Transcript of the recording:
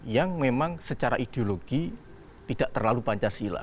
yang memang secara ideologi tidak terlalu pancasila